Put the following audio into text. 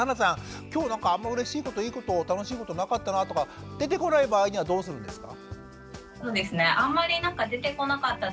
今日なんかあんまりうれしいこといいこと楽しいことなかったなとかでてこない場合にはどうするんですか？